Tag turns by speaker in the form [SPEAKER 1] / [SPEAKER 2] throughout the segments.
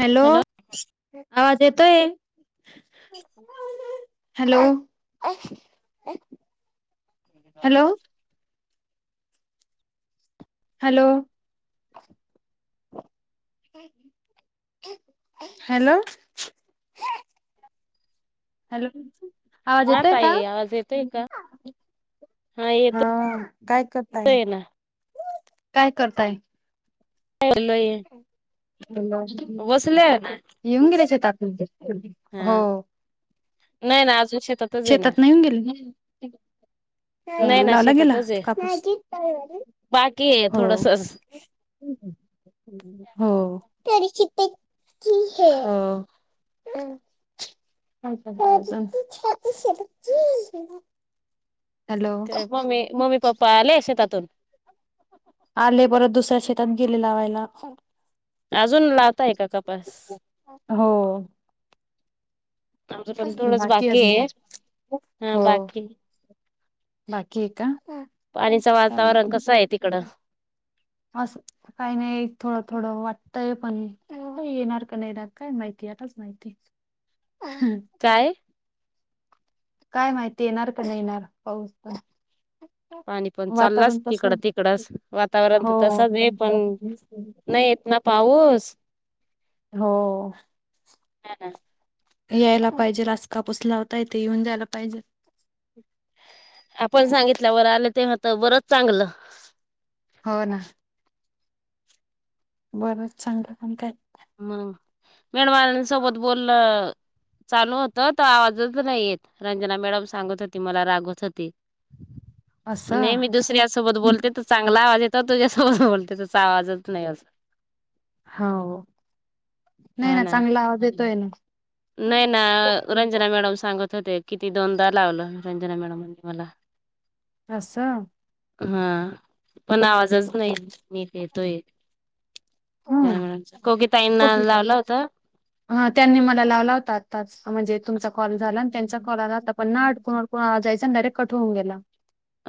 [SPEAKER 1] Hello आवाज येतोय. Hello. Hello. Hello. Hello. Hello. आवाज
[SPEAKER 2] हा
[SPEAKER 1] येतोय का
[SPEAKER 2] ताई आज येतोय का.
[SPEAKER 1] हा काय करताय
[SPEAKER 2] ना
[SPEAKER 1] काय करताय.
[SPEAKER 2] हेरोलोय.
[SPEAKER 1] ह [inaudible]
[SPEAKER 2] बसले नाय.
[SPEAKER 1] येऊन गेले शेतात हो.
[SPEAKER 2] नाही ना आजून शेतात.
[SPEAKER 1] शेतात नाहीऊन गेल काय.
[SPEAKER 2] नाही ना
[SPEAKER 1] लावला गेला
[SPEAKER 2] शेतातच आहे
[SPEAKER 1] कापूस.
[SPEAKER 2] बाकी आहे
[SPEAKER 1] हम हम.
[SPEAKER 2] हम् [unintelligible]
[SPEAKER 1] हो हो, [unintelligible] हॅलो
[SPEAKER 2] मम्मी मम्मी -पप्पा आले शेतातुन?
[SPEAKER 1] आले, परत दुसऱ्या शेतात गेले लावायला.
[SPEAKER 2] अजून लावताय का कापस?
[SPEAKER 1] हो
[SPEAKER 2] आमचं पण थोडंच बाकी आहे हा, बाकी
[SPEAKER 1] बाकीये का?
[SPEAKER 2] पाणीचं वातावरण
[SPEAKER 1] चालतंय
[SPEAKER 2] कस आहे तिकडं?
[SPEAKER 1] असं काही नाही, थोडं थोडं वाटतंय, पण येणार का नाहीणार काय माहिती आताच माहिती हम्म
[SPEAKER 2] काय?
[SPEAKER 1] काय माहिती येणार का नाही येणार पाऊस तर.
[SPEAKER 2] पाणी पण चाललंच तिकडं तिकडच वातावरण
[SPEAKER 1] हो
[SPEAKER 2] तर तसंच आहे पण नाही येत ना. पाऊस
[SPEAKER 1] हो यायला पाहिजे, रास कापूस लावता येते येऊन जायला पाहिजे.
[SPEAKER 2] आपण सांगितल्यावर आलं ते होत बरंच चांगलं
[SPEAKER 1] हो ना बरंच चांगलं, पण काय
[SPEAKER 2] हम, मेडवालां सोबत बोललं. चालू होत, तर आवाजच नाही येत रंजना मॅडम सांगत होती मला रागवत होती.
[SPEAKER 1] असं
[SPEAKER 2] नेहमी दुसऱ्या सोबत बोलते तु चांगला आवाज येतो, तुझ्यासोबत बोलते तसा आवाजच नाही यत
[SPEAKER 1] हौ, नाही ना चांगला आवाज येतोय ना.
[SPEAKER 2] नाही ना रंजना मॅडम सांगत होत्या, किती दोनदा लावलं रंजना मॅडम म्ह मला
[SPEAKER 1] असं
[SPEAKER 2] हा पण आवाजच नाही नीट येतोय. मॅडम,
[SPEAKER 1] हम्म
[SPEAKER 2] कोगी ताईंना लावला होता?
[SPEAKER 1] हा त्यांनी मला लावला होता आताच, म्हणजे तुमचा कॉल झाला आणि त्यांचा कॉल आला होता पण कोणा कोणा जायचं ना, डायरेक्ट कट होऊन गेला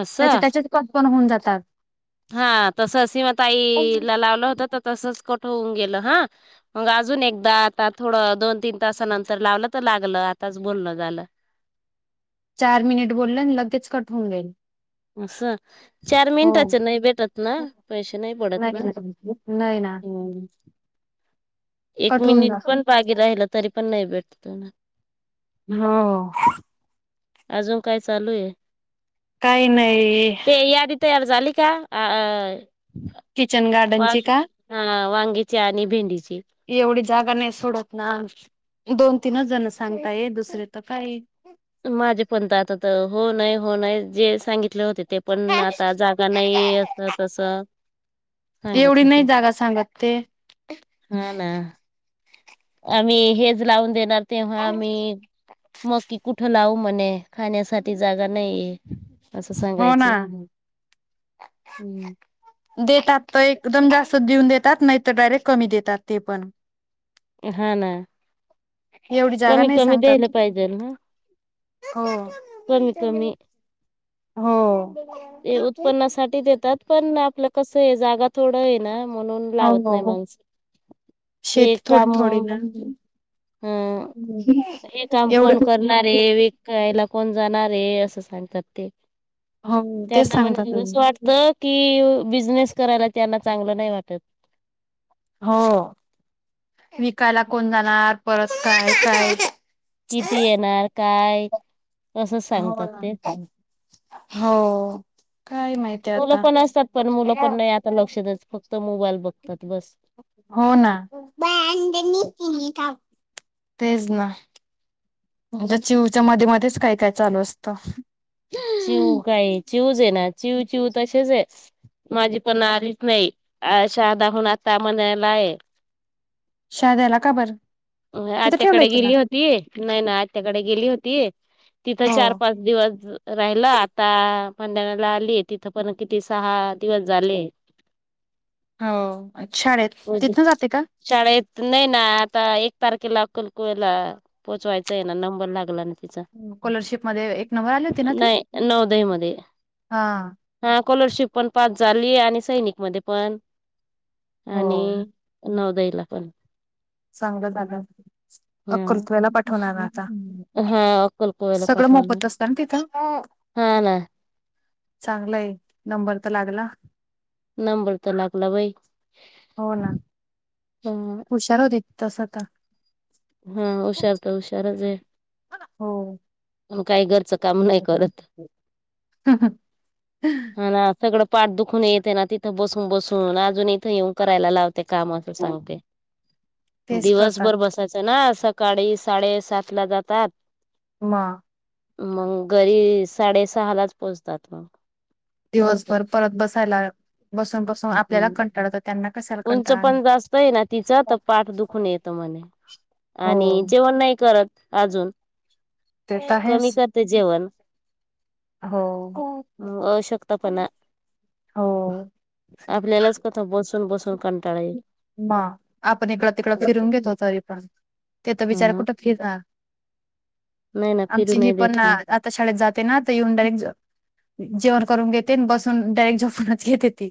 [SPEAKER 2] असं
[SPEAKER 1] त्याचे त्याच्या कट पण होऊन जातात.
[SPEAKER 2] हा तस सिमा ताईला लावलं होत, तर तसच कट होऊन गेलं हा. मग अजून एकदा आता थोडं दोन तीन तासानंतर लावलं, तर लागलं आताच बोलनं झालं.
[SPEAKER 1] चार मिनिट बोललं आणि लगेच कट होऊन गेलं.
[SPEAKER 2] असं चार मिनटाच नाही भेटत ना, पैसे नाही पडत. ना.
[SPEAKER 1] नाहीम नाही ना.
[SPEAKER 2] हम्म एक
[SPEAKER 1] कट होऊन
[SPEAKER 2] मिनिट
[SPEAKER 1] जातो.
[SPEAKER 2] पण पागी राहिला, तरी पण नाही भेटत ना.
[SPEAKER 1] हो
[SPEAKER 2] अजून काय चालू आहे?
[SPEAKER 1] काही नाही
[SPEAKER 2] ते यादी तयार झाली का अ?
[SPEAKER 1] किचन गार
[SPEAKER 2] वांग हा वांगीची आणि भेंडीची.
[SPEAKER 1] एवढी जागा नाही सोडत ना, दोन तीनच जण सांगता ये दुसरे तर काही
[SPEAKER 2] माझे पण तर आता हो नाही, हो नाही, जे सांगितले होते ते पण आता जागा नाहीये असं तस. सांगत
[SPEAKER 1] एवढी नाही
[SPEAKER 2] होते,
[SPEAKER 1] जागा सांगत ते.
[SPEAKER 2] हाना. आम्ही हेज लावून देणार तेव्हा आम्ही मग की कुठं लावू म्हणे खाण्यासाठी जागा नाहीये. असं
[SPEAKER 1] हो ना.
[SPEAKER 2] सांगायचे. हम!
[SPEAKER 1] देतात त एकदम जास्त देऊन देतात नाहीत डायरेक्ट कमी देतात ते पण.
[SPEAKER 2] अ हा ना!
[SPEAKER 1] एवढी जागा
[SPEAKER 2] कमी
[SPEAKER 1] नाही
[SPEAKER 2] कमी द्यायला
[SPEAKER 1] सांगतात
[SPEAKER 2] पाहिजेल ना
[SPEAKER 1] हो
[SPEAKER 2] कमी कमी.
[SPEAKER 1] हो!
[SPEAKER 2] ते उत्पन्नासाठी देतात पण आपलं कसं ए जागा थोडं ए ना म्हणून लावत
[SPEAKER 1] हो
[SPEAKER 2] नाही
[SPEAKER 1] हो
[SPEAKER 2] माणसं. हे
[SPEAKER 1] शेती थोडी
[SPEAKER 2] काम
[SPEAKER 1] थोडी ना
[SPEAKER 2] हं हे काम कोण
[SPEAKER 1] एवढं
[SPEAKER 2] करणार ए करायला कोण जाणार ए असं सांगतात ते.
[SPEAKER 1] हो तेच
[SPEAKER 2] त्यांना म्हणजे
[SPEAKER 1] सांगतात
[SPEAKER 2] असं वाटत कि अ बिझनेस करायला त्यांना चांगलं नाही वाटत.
[SPEAKER 1] हो विकायला कोण जाणार परत काय काय
[SPEAKER 2] किती येणार काय? असं
[SPEAKER 1] हो
[SPEAKER 2] सांगतात ते
[SPEAKER 1] ना! हो! काय माहिती
[SPEAKER 2] मुलं
[SPEAKER 1] आता.
[SPEAKER 2] पण असतात पण मुलं पण नाही आता लक्ष देत फक्त मोबाईल बघतात बस
[SPEAKER 1] हो ना तेच ना. म्हणजे चिऊच्या मध्ये मध्येच काय काय चालू असतं.
[SPEAKER 2] चिव काय चिऊज ए ना चिव चिव तसेच ए. माझी पण आलीच नाही अ शाहादाहून आता म्हणायला आहे.
[SPEAKER 1] शा द्यायला का बर!
[SPEAKER 2] अ आत्याकडे गेली होती नाय ना आत्याकडे गेली होती. तिथं
[SPEAKER 1] हो
[SPEAKER 2] चार पाच दिवस राहिलं आता पंन्हाळयाला आलीए तिथं पण किती सहा दिवस झाले.
[SPEAKER 1] हो अ शाळेत तिथनं जाते का?
[SPEAKER 2] शाळेत न इ ना आता एक तारखेला अक्कलकुएला पोहचवायचं ए ना नंबर लागला नाही.
[SPEAKER 1] स्कॉलरशिप मध्ये एक नंबर आली होती ना ती?
[SPEAKER 2] नाही अ नवोदय मध्ये.
[SPEAKER 1] हा
[SPEAKER 2] हा स्कॉलरशिप पण पास झाली आणि सैनिक मध्ये पण
[SPEAKER 1] हो
[SPEAKER 2] आणि नौदयला पण.
[SPEAKER 1] चांगलं झालं
[SPEAKER 2] हा.
[SPEAKER 1] अक्कलकुएला पाठवणार आता?
[SPEAKER 2] हा अक्कलकोवायला
[SPEAKER 1] सगळं
[SPEAKER 2] पाठवलं
[SPEAKER 1] मोफत असतं न तिथं?
[SPEAKER 2] हा ना
[SPEAKER 1] चांगलंय नंबर त लागला.
[SPEAKER 2] नंबर त लागला बाई.
[SPEAKER 1] हो ना
[SPEAKER 2] ह
[SPEAKER 1] हुशार होती तस आता.
[SPEAKER 2] ह हुशारत हुशारच ए.
[SPEAKER 1] हो!
[SPEAKER 2] म काही घरचं काम नाही करत. हा ना सगळं पाठ दुखून येतयना तिथं बसून बसून अजून इथं येऊन करायला ला ते काम अस सांगते
[SPEAKER 1] तेच करतात
[SPEAKER 2] दिवसभर ब तसं ना सकाळी साडेसात ला जातात.
[SPEAKER 1] म
[SPEAKER 2] मग घरी साडेसहालाच पोहोचतात मग
[SPEAKER 1] दिवसभर परत बसायला. बसून बसून आपल्याला
[SPEAKER 2] हम्म.
[SPEAKER 1] कंटाळा येतो. त्यांना कशाला
[SPEAKER 2] उंच
[SPEAKER 1] कंटाळा आणणार.
[SPEAKER 2] पण जास्त है ना. तिचं तर पाठ दुखून येतो म्हणे,
[SPEAKER 1] हो
[SPEAKER 2] आणि जेवण नाही करत अजून
[SPEAKER 1] ते तर
[SPEAKER 2] कमी
[SPEAKER 1] आहेच
[SPEAKER 2] करते जेवण.
[SPEAKER 1] हो
[SPEAKER 2] अशक्तपणा
[SPEAKER 1] हो.
[SPEAKER 2] आपल्यालाच इथ बसून बसून कंटाळा येईल.
[SPEAKER 1] मा आपण इकडं तिकडं फिरून
[SPEAKER 2] हा
[SPEAKER 1] घेतो तरी पण तिथ बिचाऱ्या कुठं फिरणार?
[SPEAKER 2] नाही ना फिरू
[SPEAKER 1] आमची ही
[SPEAKER 2] नाही
[SPEAKER 1] पण
[SPEAKER 2] देत
[SPEAKER 1] अ
[SPEAKER 2] मी
[SPEAKER 1] आता शाळेत जाते ना. तर येऊन डायरेक्ट झ जेवण करून घेते बसून डायरेक्ट झोपूनच घेते ती.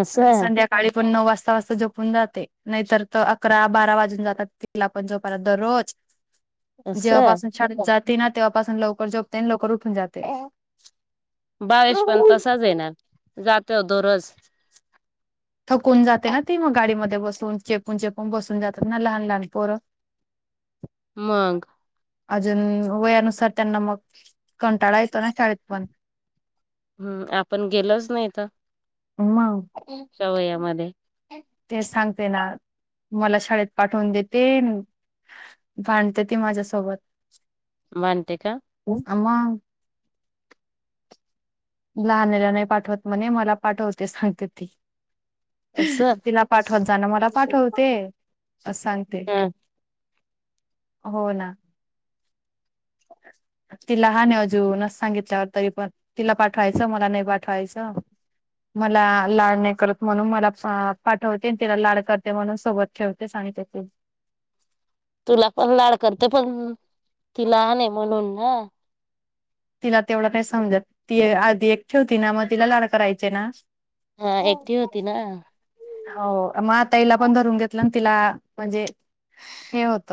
[SPEAKER 2] असं
[SPEAKER 1] संध्याकाळी पण नऊ वाजता झोपून जाते. नाहीतर अकरा-बारा वाजून जातात. तिला पण झोपायला दररोज.
[SPEAKER 2] असं
[SPEAKER 1] जेव्हापासून शाळेत जाते ना. तेव्हापासून लवकर झोपते आणि लवकर उठून जाते.
[SPEAKER 2] भावेश पण तसाच येणार जातो दररोज
[SPEAKER 1] थकून जाते ह ती, मग गाडीमध्ये बसून. चेपून चेपून बसून जातात ना लहान लहान पोरं.
[SPEAKER 2] मग,
[SPEAKER 1] अजून वयानुसार त्यांना मग कंटाळा येतो ना शाळेत पण.
[SPEAKER 2] हम्म, आपण गेलोच नाही तर,
[SPEAKER 1] मा
[SPEAKER 2] त्या वयामध्ये
[SPEAKER 1] तेच सांगते ना. मला शाळेत पाठवून देते अन भांडते ती माझ्यासोबत.
[SPEAKER 2] भांडते का.
[SPEAKER 1] हा मग. लहानला नाही पाठवत म्हणे, मला पाठवते सांगते ती.
[SPEAKER 2] असं
[SPEAKER 1] तिला पाठवत जाणा. मला पाठवते असं सांगते.
[SPEAKER 2] ह
[SPEAKER 1] हो ना.
[SPEAKER 2] [inaudible]
[SPEAKER 1] ति लहान आहे अजून असं सांगितल्यावर. तरी पण तिला पाठवायचं मला नाही पाठवायचं. मला लाड नाही करत. म्हणून, मला पाठवते तिला लाड करते. म्हणून सोबत ठेवतेस आणि त्यातील
[SPEAKER 2] तुला पण लाड करते. पण ती लहान आहे म्हणून ना.
[SPEAKER 1] तिला तेवढं काय समज. ती आधी एक ठेवती ना मग तिला लाड करायचे ना.
[SPEAKER 2] हा एकटी होती ना.
[SPEAKER 1] हो, मग आता हीला पण धरून घेतलं ना. तिला, म्हणजे हे होत.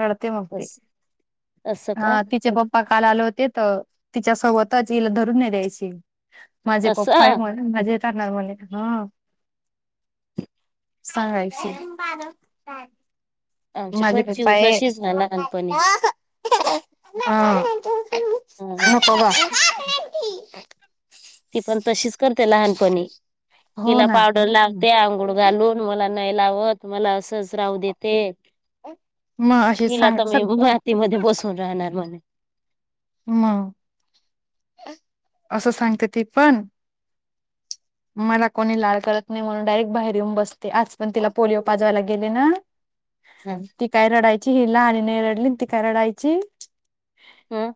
[SPEAKER 1] रडते मग ती.
[SPEAKER 2] अस असं का
[SPEAKER 1] हा तिचे पप्पा काल आले हो त. तिच्या सोबतच हिला धरून नाही द्यायची. माझे पप्पा आहे
[SPEAKER 2] असं
[SPEAKER 1] म्हणून माझे धरणार म्हणे हा.
[SPEAKER 2] [unintelligible]
[SPEAKER 1] सांगायची.
[SPEAKER 2] आमची
[SPEAKER 1] माझे
[SPEAKER 2] पण
[SPEAKER 1] पप्पा
[SPEAKER 2] चिऊ
[SPEAKER 1] ए
[SPEAKER 2] तशीच ना
[SPEAKER 1] ह.
[SPEAKER 2] लहानपणी ह
[SPEAKER 1] नको गं.
[SPEAKER 2] ती पण तशीच करते लहानपणी.
[SPEAKER 1] हो
[SPEAKER 2] हिला
[SPEAKER 1] ना
[SPEAKER 2] पावडर लावते आंघोळ घालून. मला नाही लावत. मला असंच राहू देते.
[SPEAKER 1] मग अशी
[SPEAKER 2] हिला
[SPEAKER 1] सांग
[SPEAKER 2] तर मी मातीमध्ये बसून राहणार म्हणून,
[SPEAKER 1] म. असं सांगते ती पण. मला कोणी लाळ करत नाही म्हणून डायरेक्ट बाहेर येऊन बसते. आज पण तिला पोलिओ पाजवायला गेले ना,
[SPEAKER 2] हम्म.
[SPEAKER 1] ती काय रडायची हिला. आणि न रडली ती काय रडायची.
[SPEAKER 2] ह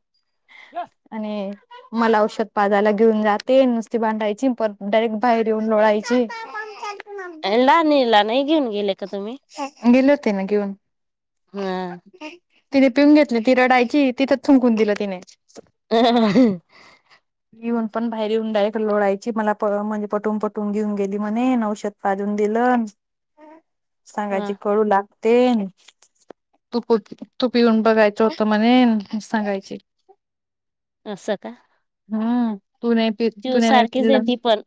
[SPEAKER 1] आणि मला औषध पाजाला घेऊन जाते. नुसती भांडायची. परत डायरेक्ट बाहेर येऊन लोळायची.
[SPEAKER 2] लाहानीला नाही घेऊन गेले का तुम्ही?
[SPEAKER 1] गेले होते ना घेऊन.
[SPEAKER 2] हम्म.
[SPEAKER 1] तिने पिऊन घेतले. ती रडायची. तिथच थंकून दिलं तिने.
[SPEAKER 2] हह [unintelligible]
[SPEAKER 1] येऊन पण बाहेर येऊन डायरेक्ट लोळायची. मला म्हणजे पटून पटून घेऊन गेली म्हणे न औषध पाजून दिलंन.
[SPEAKER 2] वा
[SPEAKER 1] सांगायची कडू लागतेन. तू तू पिऊन बघायचं होत म्हणेन. अस सांगायची.
[SPEAKER 2] अस का?
[SPEAKER 1] हम्म. तू नाही पी,
[SPEAKER 2] चिव
[SPEAKER 1] तूने नाही
[SPEAKER 2] सारखीच आहे
[SPEAKER 1] पिलस.
[SPEAKER 2] ती पण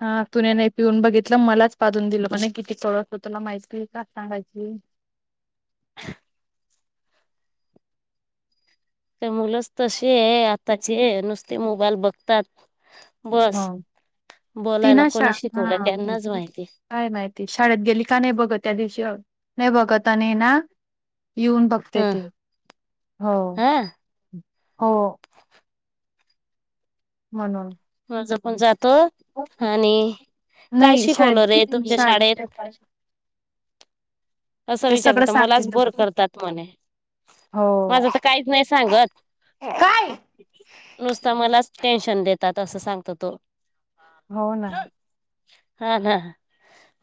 [SPEAKER 1] हा तुने नाही पिऊन बघितलं. मलाच पाधून दिलं म्हणे. किती कडू तुला माहितीय का? सांगायची.
[SPEAKER 2] ते मुलंच तशेये आताचे. नुसते मोबाईल बघतात. बस.
[SPEAKER 1] ती
[SPEAKER 2] बोलायला
[SPEAKER 1] ना शा
[SPEAKER 2] कोणी शिकवलं
[SPEAKER 1] हा
[SPEAKER 2] त्यांनाच माहिती.
[SPEAKER 1] काय माहिती. शाळेत गेली का नाही बघत. त्या दिवशी नाही बघत. आणि ना येऊन बघ
[SPEAKER 2] ह
[SPEAKER 1] तेथे. हो
[SPEAKER 2] हा
[SPEAKER 1] हो. म्हणून.
[SPEAKER 2] माझं पण जातो. आणि काय
[SPEAKER 1] नाही
[SPEAKER 2] शिकवलं
[SPEAKER 1] शाळेत
[SPEAKER 2] रे, तुमच्या शाळेत. असं
[SPEAKER 1] ते
[SPEAKER 2] विचारतात.
[SPEAKER 1] सगळं
[SPEAKER 2] त
[SPEAKER 1] सांगते
[SPEAKER 2] मलाच बोर करतात म्हणे.
[SPEAKER 1] हो
[SPEAKER 2] माझं त काहीच नाही सांगत.
[SPEAKER 1] काय
[SPEAKER 2] नुसता मलाच टेन्शन देतात. असं सांगत तो.
[SPEAKER 1] हो ना.
[SPEAKER 2] हा हा.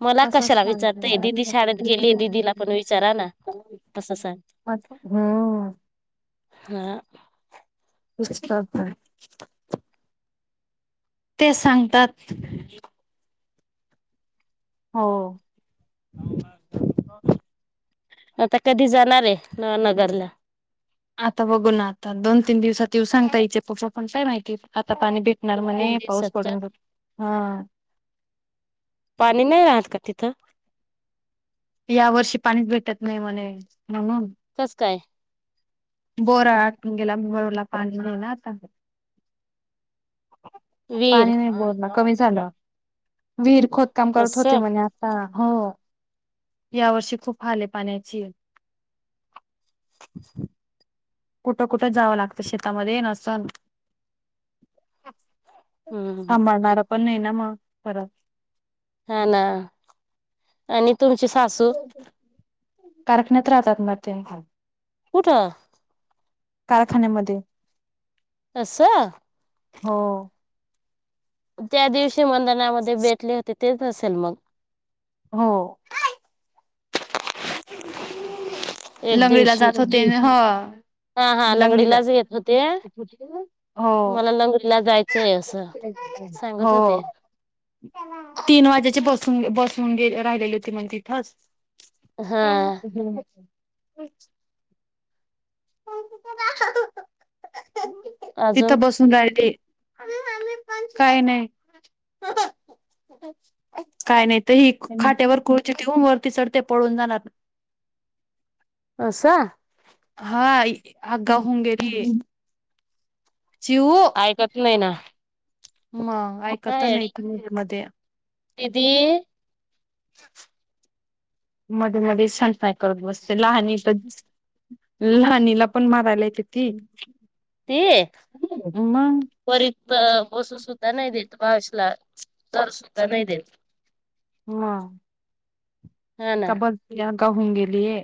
[SPEAKER 2] मला
[SPEAKER 1] तसच
[SPEAKER 2] कशाला विचारतय.
[SPEAKER 1] सांगते
[SPEAKER 2] दीदी शाळेत गेलीय. दिदीला पण विचारा ना. तसं सांग
[SPEAKER 1] म हम्म.
[SPEAKER 2] हा.
[SPEAKER 1] ब [unintelligible] ते सांगतात. हो.
[SPEAKER 2] आता कधी जाणारे. नव नगरला?
[SPEAKER 1] आता बघू ना. आता दोन तीन दिवसात येऊ सांगतायचे. पोप पण काय माहिती. आता पाणी भेट भेटणार
[SPEAKER 2] दोन तीन
[SPEAKER 1] म्हणे. पाऊस
[SPEAKER 2] दिवसात
[SPEAKER 1] पडून [unintelligible] हा.
[SPEAKER 2] पाणी नाही राहत का तीथं?
[SPEAKER 1] या वर्षी पाणीच भेटत नाही म्हणे. म्हणून.
[SPEAKER 2] कसं काय?
[SPEAKER 1] बोरा आटून गेला. नळला पाणी नाही ना आता.
[SPEAKER 2] [inaudible] वीर
[SPEAKER 1] पाणी नायं बोर ला कमी झालं विहीर खोदकाम करत होते
[SPEAKER 2] असं
[SPEAKER 1] म्हणे आत ताळा हो या वर्षी खूप हाल ये पाण्याची
[SPEAKER 2] [inaudible]
[SPEAKER 1] कुठं कुठं जावा लागतं शेतामध्ये नसन
[SPEAKER 2] हम्म
[SPEAKER 1] सांभाळणार पण नाई ना म परत
[SPEAKER 2] हा ना आणि तुमची सासू
[SPEAKER 1] कारखान्यात राहतात ना त्या
[SPEAKER 2] कुठ?
[SPEAKER 1] कारखान्यामध्ये
[SPEAKER 2] अस
[SPEAKER 1] हो.
[SPEAKER 2] त्या दिवशी मंधनामध्ये भेटले होते तेच असेल मग
[SPEAKER 1] हो.
[SPEAKER 2] एक
[SPEAKER 1] लंगडीला
[SPEAKER 2] दिवशी
[SPEAKER 1] जात होते ना हो.
[SPEAKER 2] हा हा
[SPEAKER 1] लंगडीला
[SPEAKER 2] लंगडीलाच
[SPEAKER 1] [unintelligible]
[SPEAKER 2] येत
[SPEAKER 1] होती
[SPEAKER 2] होते
[SPEAKER 1] का म हो
[SPEAKER 2] मला लंगडीला जायचंय असं सांगत
[SPEAKER 1] हो
[SPEAKER 2] होते
[SPEAKER 1] तीन वाज्याचे बसून बसून गे राहिलेली ते मंग तिथंच
[SPEAKER 2] हा
[SPEAKER 1] [unintelligible] [unintelligible]
[SPEAKER 2] अजून
[SPEAKER 1] तिथं बसून राहिले. काय नायं. काय नाहीत ते ही खाट्यावर खुर्ची ठेवून वरती चढते पळून जाणार
[SPEAKER 2] असं
[SPEAKER 1] हा आगा हुगं येडी ये चिऊ
[SPEAKER 2] ऐकत नायं ना
[SPEAKER 1] मंग
[SPEAKER 2] हा
[SPEAKER 1] ऐकत नायं
[SPEAKER 2] येडी
[SPEAKER 1] तुमीत मध्ये
[SPEAKER 2] दिदी
[SPEAKER 1] मध्ये मध्ये सनफाय करत बसते लहाणी पण लहानीला पण मारायला येते. ती मंग
[SPEAKER 2] परित बसू सुद्धा नायं देत [unintelligible] तर सुद्धा नायं देत.
[SPEAKER 1] म
[SPEAKER 2] हा ना
[SPEAKER 1] क ब यांका होऊन गेलीय.